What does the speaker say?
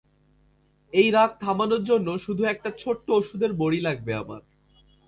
এই রাগ থামানোর জন্য শুধু একটা ছোট্ট ওষুধের বড়ি লাগবে আমার।